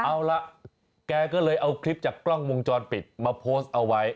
เอาละแกก็เลยเอาคลิปจากกล้องวงจรปิดมาโพสต์เอาไว้